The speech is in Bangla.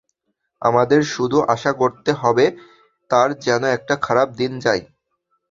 আমাদের শুধু আশা করতে হবে, তার যেন একটি খারাপ দিন যায়।